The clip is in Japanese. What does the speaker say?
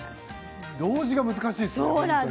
同時が難しいですね。